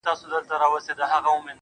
نوم مي د ليلا په لاس کي وليدی~